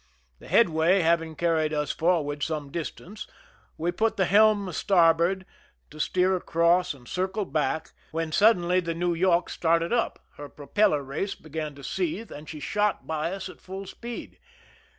The headway having carried us forward some distance, we put the helm astarboard to steer across and circle back, when suddenly the New 64 THE RUN IN '\ York started up, her propeller race began to seethe, and she shot hy us at full speed.